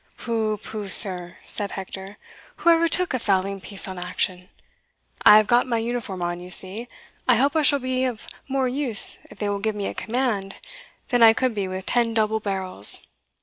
"Pooh! pooh! sir," said Hector, "who ever took a fowling piece on action? I have got my uniform on, you see I hope I shall be of more use if they will give me a command than I could be with ten double barrels.